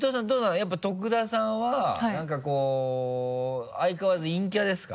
やっぱり徳田さんはなんかこう相変わらず陰キャですか？